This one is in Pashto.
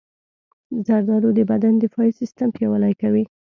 زردالو د بدن دفاعي سیستم پیاوړی کوي.